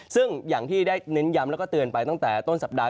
ซึ่งอย่างที่ได้เน้นย้ำแล้วก็เตือนไปตั้งแต่ต้นสัปดาห